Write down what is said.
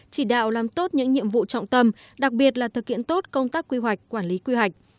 chỉ đạo làm tốt những nhiệm vụ trọng tâm đặc biệt là thực hiện tốt công tác quy hoạch quản lý quy hoạch